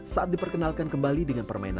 saat diperkenalkan kembali dengan permainan